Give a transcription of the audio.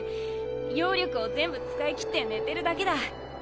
妖力を全部使い切って寝てるだけだ。